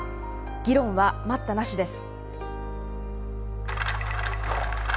議論は待ったなしです。